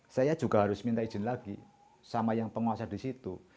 saya juga harus minta izin lagi sama yang penguasa di situ